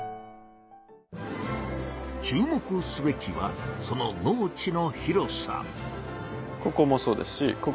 注目すべきはその農地の広さ。